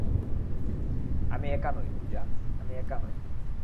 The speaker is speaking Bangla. আমি একা নই, পূজা, আমি একা নই।